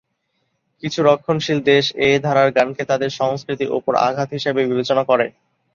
কিছু রক্ষণশীল দেশ এ ধারার গানকে তাদের সংস্কৃতির উপর আঘাত হিসেবে বিবেচনা করে।